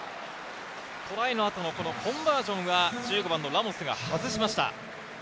トライの後のコンバージョンは１５番のラモスが外しました。